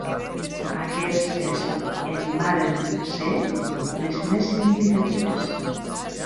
Aquestes en varen ser les més significatives.